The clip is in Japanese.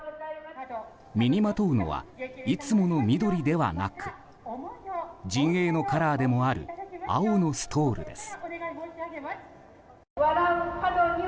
身にまとうのはいつもの緑ではなく陣営のカラーでもある青のストールです。